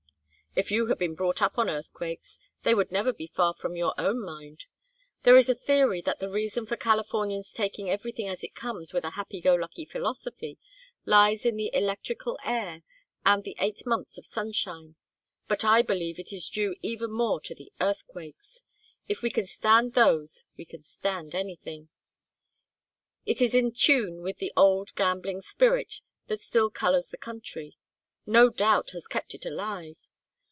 "If you had been brought up on earthquakes they would never be far from your own mind. There is a theory that the reason for Californians taking everything as it comes with a happy go lucky philosophy, lies in the electrical air and the eight months of sunshine; but I believe it is due even more to the earthquakes. If we can stand those we can stand anything. It is in tune with the old gambling spirit that still colors the country; no doubt has kept it alive.